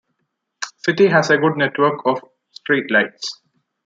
City has a good network of street lights.